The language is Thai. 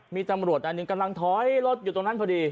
มีตำรวจอันหนึ่งกำลังถอยรถอยู่ตรงนั้นพอดี